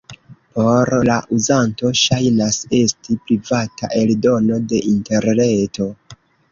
Por la uzanto ŝajnas esti privata eldono de interreto.